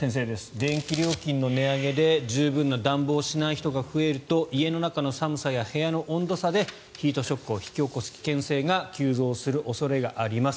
電気料金の値上げで十分な暖房をしない人が増えると家の中の寒さや部屋の温度差でヒートショックを引き起こす危険性が急増する恐れがあります。